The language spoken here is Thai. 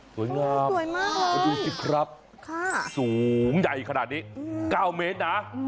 สวยงามสวยมากคุณดูสิครับสูงใหญ่ขนาดนี้๙เมตรนะ